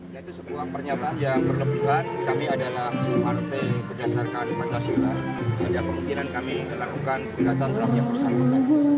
yaitu sebuah pernyataan yang berlebihan kami adalah partai berdasarkan pancasila ada kemungkinan kami lakukan gugatan terhadap yang bersangkutan